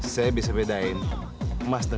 saya bisa berhenti disini